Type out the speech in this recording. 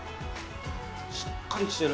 しっかりしてる。